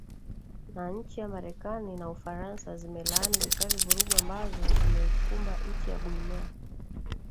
na nchi ya marekani na ufaransa zimelaani vikali vurugu ambazo zimeikumba nchi ya guinea